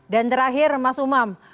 dan terakhir mas umam